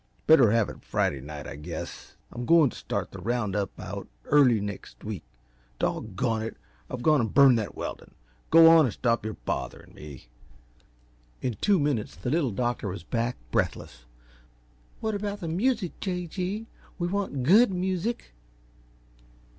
Better have it Friday night, I guess I'm goin t' start the round up out early next week. Doggone it! I've gone and burned that weldin'. Go on and stop your botherin' me!" In two minutes the Little Doctor was back, breathless. "What about the music, J. G.? We want GOOD music."